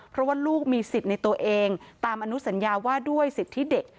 เพราะว่าลูกมีสิทธิ์ในตัวเองตามอนุสัญญาว่าด้วยสิทธิเด็ก